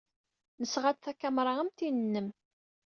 Nesɣa-d takamra am tin-nnem.